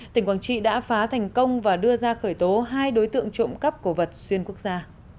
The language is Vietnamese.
tỉnh quảng trị đã phá thành công và đưa ra khởi tố hai đối tượng trộm cắp cổ vật xuyên quốc gia